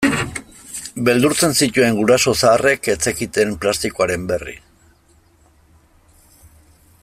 Beldurtzen zituen guraso zaharrek ez zekiten plastikoaren berri.